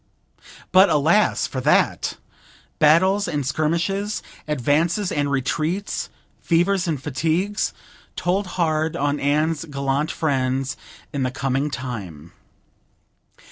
But, alas, for that! Battles and skirmishes, advances and retreats, fevers and fatigues, told hard on Anne's gallant friends in the coming time.